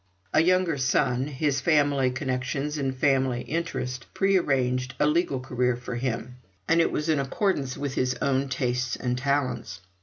A younger son, his family connections and family interest pre arranged a legal career for him; and it was in accordance with his own tastes and talents.